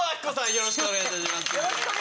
よろしくお願いします。